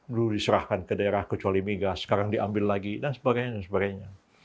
dulu diserahkan ke daerah kecuali migas sekarang diambil lagi dan sebagainya